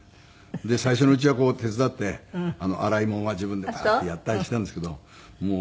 最初のうちはこう手伝って洗い物は自分でパーッてやったりしてたんですけどもう。